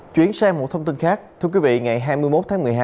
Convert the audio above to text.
chuyển sang một thông tin khác thưa quý vị ngày hai mươi một tháng một mươi hai